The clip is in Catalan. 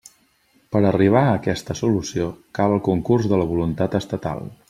Per a arribar a aquesta solució, cal el concurs de la voluntat estatal.